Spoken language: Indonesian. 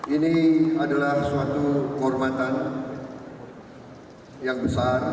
ini adalah suatu kehormatan yang besar